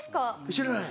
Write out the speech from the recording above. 知らない。